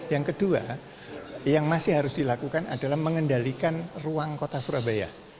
yang kedua yang masih harus dilakukan adalah mengendalikan ruang kota surabaya